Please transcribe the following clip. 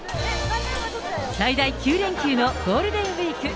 最大９連休のゴールデンウィーク。